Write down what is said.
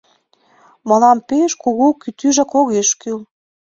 Мылам пеш кугу кӱтӱжак огеш кӱл.